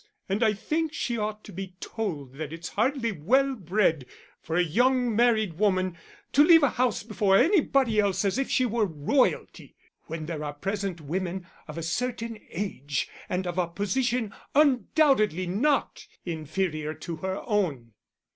And I think she ought to be told that it's hardly well bred for a young married woman to leave a house before anybody else as if she were royalty, when there are present women of a certain age and of a position undoubtedly not inferior to her own."